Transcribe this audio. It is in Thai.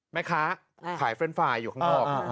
แม่ค้าขายเฟรนดไฟล์อยู่ข้างนอก